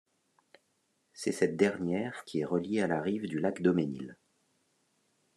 C'est cette dernière qui est reliée à la rive du lac Daumesnil.